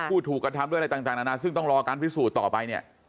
ผู้ถูกกระทำด้วยอะไรต่างนานาซึ่งต้องรอการพิสูจน์ต่อไปเนี่ย